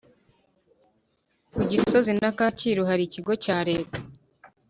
kugisozi na Kacyiru hari ikigo cya reta